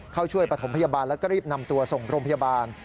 เข้าช่วยประถมพยาบาลแล้วก็รีบนำตัวส่งโรงพยาบาล